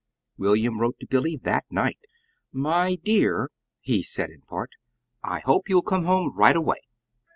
William wrote to Billy that night. "My dear: " he said in part. "I hope you'll come home right away.